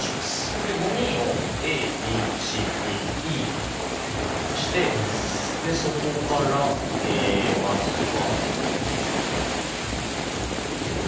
で５人をＡＢＣＤＥというふうにしてそこからまずは。